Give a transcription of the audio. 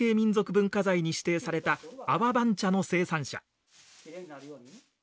文化財に指定された阿波晩茶の生産者。